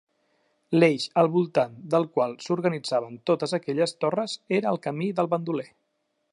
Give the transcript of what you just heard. L'eix al voltant del qual s'organitzaven totes aquelles torres era el camí del Bandoler.